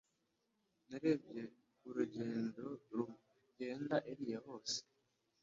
Narebye urugendo rugenda iriya hose